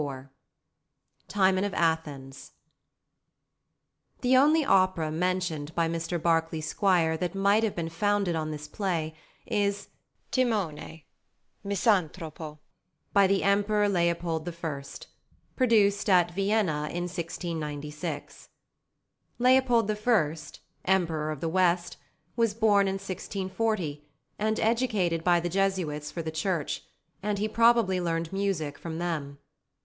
TIMON OF ATHENS The only opera mentioned by Mr Barclay Squire that might have been founded on this play is Timone, Misantropo, by the +Emperor Leopold I.+, produced at Vienna in 1696. Leopold I., Emperor of the West, was born in 1640, and educated by the Jesuits for the Church, and he probably learned music from them.